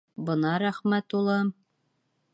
— Бына рәхмәт, улым!